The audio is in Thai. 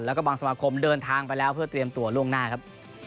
แล้วก็บางสมาคมเดินทางไปแล้วเพื่อเตรียมตัวล่วงหน้าครับ